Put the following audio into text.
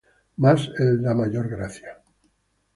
Mas él da mayor gracia.